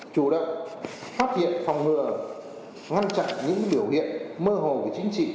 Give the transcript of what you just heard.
chủ động phát hiện phòng ngừa ngăn chặn những biểu hiện mơ hồ về chính trị